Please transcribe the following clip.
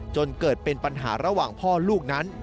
จนเกิดเป็นปัญหาระหว่างพ่อลูกนั้น